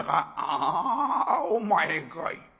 「あお前かい。